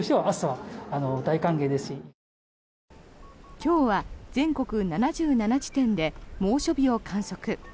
今日は全国７７地点で猛暑日を観測。